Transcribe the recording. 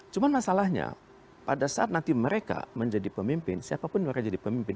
cuma masalahnya pada saat nanti mereka menjadi pemimpin siapapun mereka jadi pemimpin